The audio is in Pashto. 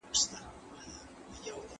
رڼا د هیلو په رنګونو کې رانغاړل شوې وه.